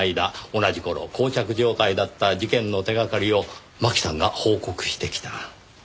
同じ頃こう着状態だった事件の手掛かりを真紀さんが報告してきた。